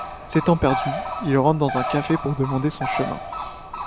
S'étant perdu, il entre dans un café pour demander son chemin.